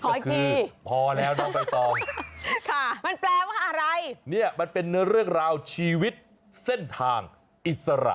ขออีกทีมันแปลว่าอะไรนี่มันเป็นเรื่องราวชีวิตเส้นทางอิสระ